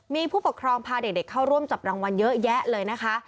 มีผู้ปกครองพาเด็กเข้าร่วมจับรางวัลเยอะแยะเลยนะคะ